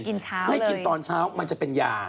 กินเช้าเลยให้กินตอนเช้ามันจะเป็นยา